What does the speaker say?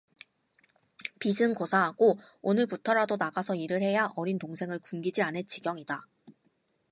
빚은 고사하고 오늘부터라도 나가서 일을 해야 어린 동생을 굶기지 않을 지경이다.